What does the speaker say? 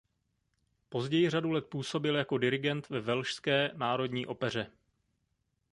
Později řadu let působil jako dirigent ve Velšské národní opeře.